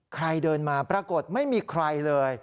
ใครเดินมาปรากฏไม่มีใครเลย